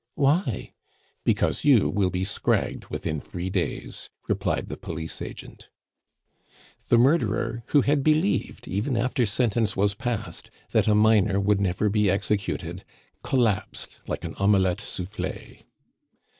"Why?" "Because you will be scragged within three days," replied the police agent. The murderer, who had believed, even after sentence was passed, that a minor would never be executed, collapsed like an omelette soufflee.